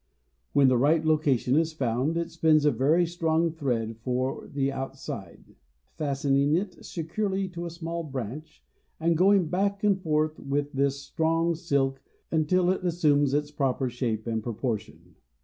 When the right location is found it spins a very strong thread for the outside, fastening it securely to a small branch, and going back and forth with this strong silk until it assumes its proper shape and proportion.